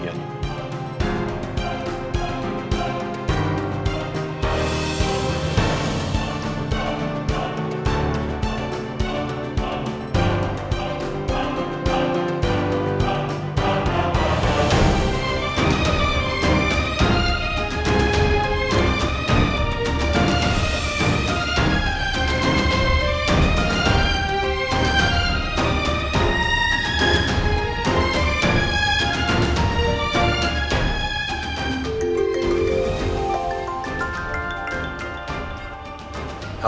tidak dikasih tahu